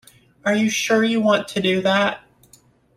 Are you sure you want to do that?